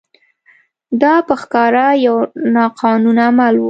دا په ښکاره یو ناقانونه عمل و.